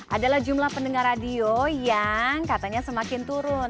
adalah jumlah pendengar radio yang katanya semakin turun